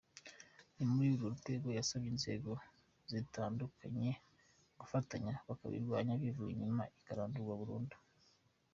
Ni muri urwo rwego yasabye inzego zitandukanye gufatanya bakayirwanya bivuye inyuma ikarandurwa burundu.